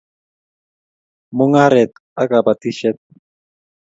Mung'aret ak kabatishet